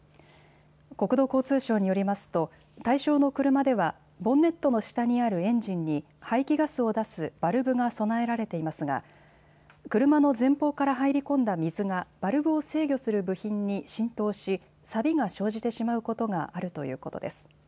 国土交通省によりますと対象の車ではボンネットの下にあるエンジンに排気ガスを出すバルブが備えられていますが車の前方から入り込んだ水がバルブを制御する部品に浸透し、さびが生じてしまうことがあるということです。